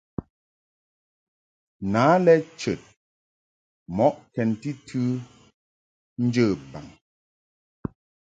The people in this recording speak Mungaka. Na lɛ chəd mɔʼ kɛnti tɨ njə baŋ.